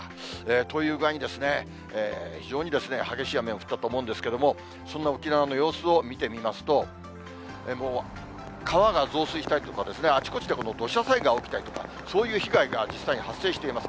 という具合に、非常に激しい雨が降ったと思うんですけれども、そんな沖縄の様子を見てみますと、もう川が増水したりとか、あちこちでこの土砂災害が起きたりとか、そういう被害が実際に発生しています。